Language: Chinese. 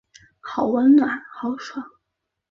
好温暖好爽